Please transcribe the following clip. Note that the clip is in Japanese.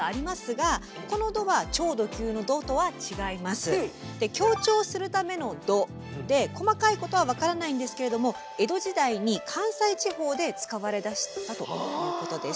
そうそうそうオきゅう。強調するための「ど」で細かいことは分からないんですけれども江戸時代に関西地方で使われだしたということです。